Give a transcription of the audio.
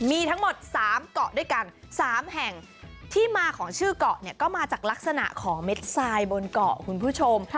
มีทั้งหมด๓เกาะด้วยกัน๓แห่งที่มาของชื่อเกาะเนี่ยก็มาจากลักษณะของเม็ดทรายบนเกาะคุณผู้ชม